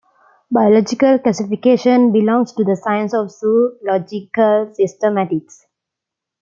Biological classification belongs to the science of zoological systematics.